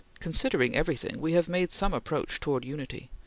"Considering everything we have made some approach towards unity.